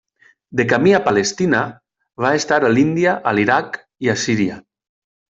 De camí a Palestina, va estar a l'Índia, a l'Iraq, i a Síria.